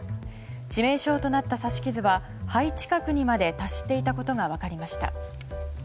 致命傷となった刺し傷は肺近くにまで達していたことが分かりました。